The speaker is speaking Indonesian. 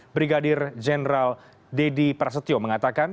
brigadir jenderal deddy prasetyo mengatakan